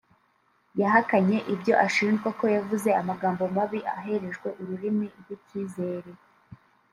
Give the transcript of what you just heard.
yahakanye ibyo ashinjwa ko yavuze amagambo mabi aherejwe urumuri rw’icyizere